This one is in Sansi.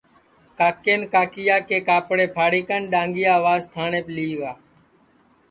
کاکین کاکِیا کے کاپڑے پھاڑی کن ڈؔاھنٚگِیا واس تھاٹؔینٚپ لی گِیا